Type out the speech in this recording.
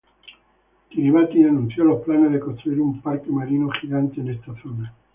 Kiribati anunció los planes de construir un parque marino gigante en esta zona.